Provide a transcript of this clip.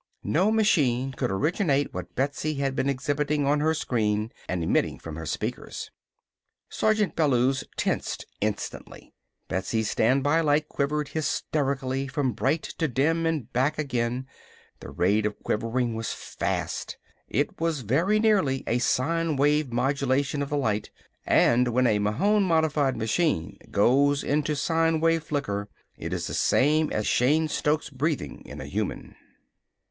No machine could originate what Betsy had been exhibiting on her screen and emitting from her speakers. Sergeant Bellews tensed instantly. Betsy's standby light quivered hysterically from bright to dim and back again. The rate of quivering was fast. It was very nearly a sine wave modulation of the light and when a Mahon modified machine goes into sine wave flicker, it is the same as Cheyne Stokes breathing in a human.